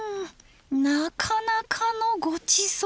なかなかのごちそう。